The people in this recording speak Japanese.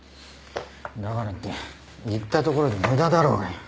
だからって言ったところで無駄だろうがよ。